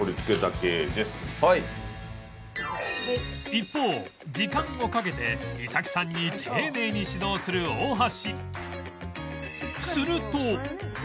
一方時間をかけて衣咲さんに丁寧に指導する大橋